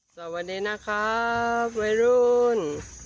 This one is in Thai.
สวัสดีนะครับวัยรุ่น